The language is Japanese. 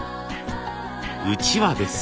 うちわです。